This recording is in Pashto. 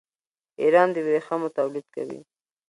ایران د ورېښمو تولید کوي.